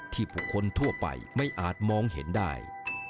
ที่บุคคลทั่วไปไม่อาจมองเห็นได้